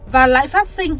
và lãi phát sinh